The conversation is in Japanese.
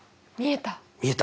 見えた！